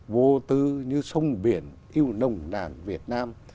vô tư như sông biển yêu nồng nàn việt nam